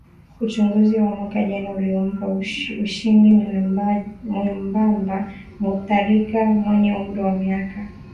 uchaguzi wa mwaka jana uliompa ushindi mwembamba Mutharika mwenye umri wa miaka sabini na